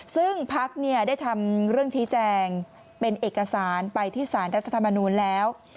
ซึ่งพักได้ทำเรื่องชี้แจงเป็นเอกสารไปที่สารรัฐธรรมนูลแล้ว